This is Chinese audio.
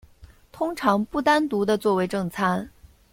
通常不单独地作为正餐。